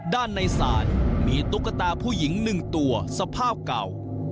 ด้านในศาลมีตุ๊กตาผู้หญิง๑ตัวสภาพเก่า